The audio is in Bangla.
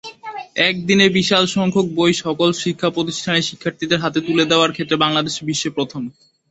একদিনে বিশাল সংখ্যক বই সকল শিক্ষাপ্রতিষ্ঠানের শিক্ষার্থীদের হাতে তুলে দেওয়ার ক্ষেত্রে বাংলাদেশ বিশ্বে প্রথম।